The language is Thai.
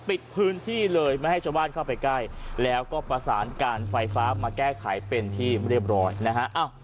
ปิดพื้นที่เลยไม่ให้ชาวบ้านเข้าไปใกล้แล้วก็ประสานการไฟฟ้ามาแก้ไขเป็นที่เรียบร้อยนะฮะ